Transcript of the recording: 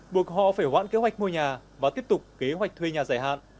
buộc họ phải hoãn kế hoạch mua nhà và tiếp tục kế hoạch thuê nhà giải hạn